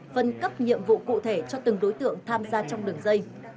phân cấp nhiệm vụ cụ thể cho từng đối tượng tham gia trong đường dây